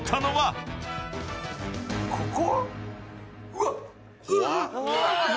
ここ？